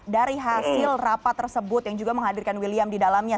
dari hasil rapat tersebut yang juga menghadirkan william di dalamnya